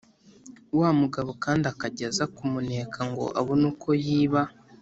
wa mugabo kandi akajya aza kumuneka ngo abone uko yiba